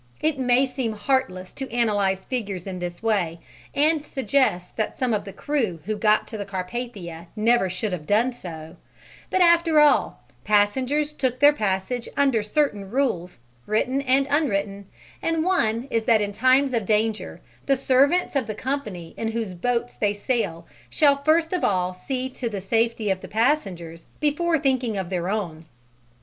It may seem heartless to analyze figures in this way, and suggest that some of the crew who got to the Carpathia never should have done so; but, after all, passengers took their passage under certain rules, written and unwritten, and one is that in times of danger the servants of the company in whose boats they sail shall first of all see to the safety of the passengers before thinking of their own.